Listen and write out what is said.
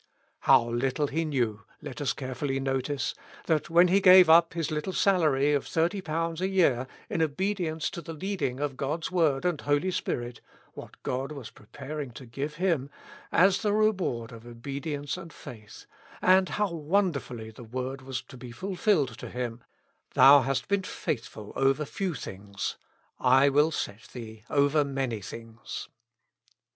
How little he knew, let us carefully notice, that when he gave up his little salary of ^^30 a year in obedience to the leading of God's word and Holy Spirit, what God was preparing to give him as the reward of obedience and faith; and how wonderfully the word was to be fulfilled to him :" Thou hast been faithful over few things ; I will set thee over many things."